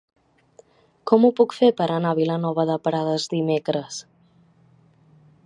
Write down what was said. Com ho puc fer per anar a Vilanova de Prades dimecres?